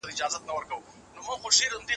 کوم پلانونه زموږ وخت او ذهن سپموي؟